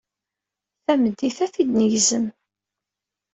Tameddit-a ad t-id-negzem.